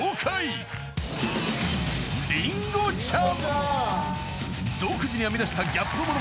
さありんごちゃん。